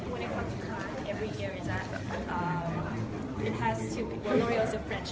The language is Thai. ข้อต้นผมทุกปีอย่างไหนอยู่ในเมริก